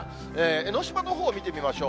江の島のほう見てみましょう。